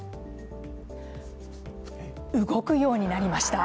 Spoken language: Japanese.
動くようになりました。